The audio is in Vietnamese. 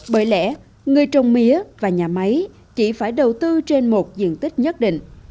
bởi lẽ người trồng mía và nhà máy chỉ phải đầu tư trên một diện tích nhất định